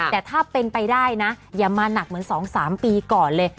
แต่ถ้าเป็นไปได้นะอย่ามาหนักเหมือน๒๓ปีก่อนเลย